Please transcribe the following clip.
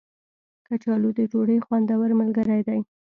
کچالو د ډوډۍ خوندور ملګری دی